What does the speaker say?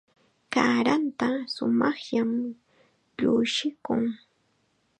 Kaaranta shumaqllam llushikun.